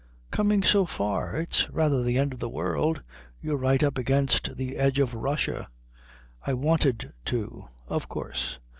"Coming so far. It's rather the end of the world. You're right up against the edge of Russia." "I wanted to." "Of course.